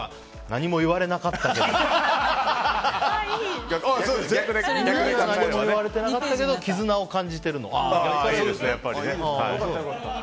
何も言われてないけど絆を感じてるのって。